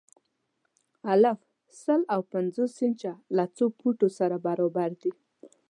الف: سل او پنځوس انچه له څو فوټو سره برابر دي؟